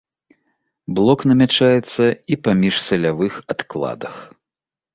Блок намячаецца і па міжсалявых адкладах.